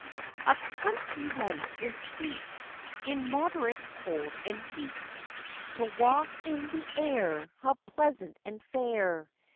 ] A COUNTRY life is sweet! In moderate cold and heat, To walk in the air, how pleasant and fair!